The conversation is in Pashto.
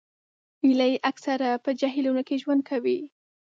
هیلۍ اکثره په جهیلونو کې ژوند کوي